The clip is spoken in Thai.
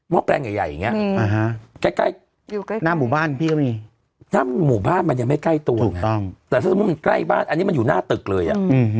ม้อแปลงใหญ่อย่างเนี่ยใกล้หน้าหมู่บ้านมันยังไม่ใกล้ตัวแต่ถ้าสมมุติใกล้บ้านอันนี้มันอยู่หน้าตึกเลยอ่ะ